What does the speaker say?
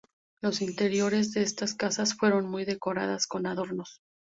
Los interiores de estas casas fueron muy decoradas con adornos.